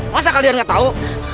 masa kalian gak tau